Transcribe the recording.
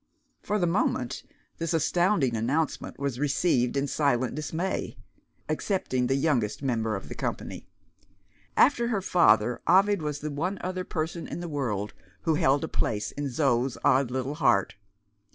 For the moment, this astounding announcement was received in silent dismay excepting the youngest member of the company. After her father, Ovid was the one other person in the world who held a place in Zo's odd little heart.